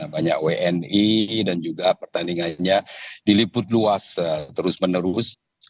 banyak wni dan juga pertandingannya diliput luas terus menerus